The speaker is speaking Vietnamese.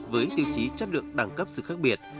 với tiêu chí chất lượng đẳng cấp sự khác biệt